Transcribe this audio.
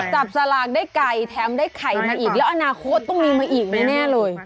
สลากได้ไก่แถมได้ไข่มาอีกแล้วอนาคตต้องมีมาอีกแน่เลย